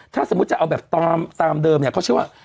ถ้าสมมุติจะเอาตามแดมสว่า